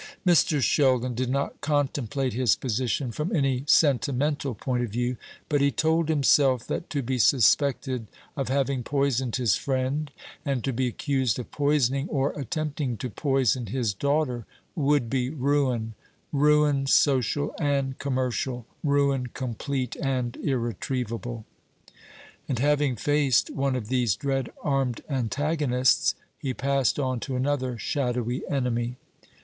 Mr. Sheldon did not contemplate his position from any sentimental point of view; but he told himself that to be suspected of having poisoned his friend, and to be accused of poisoning, or attempting to poison, his daughter, would be ruin ruin social and commercial, ruin complete and irretrievable. And having faced one of these dread armed antagonists, he passed on to another shadowy enemy.